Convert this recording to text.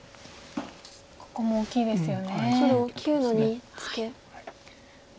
ここも大きいですよね。